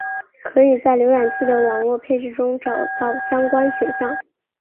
可以在浏览器的网络配置里找到相关选项。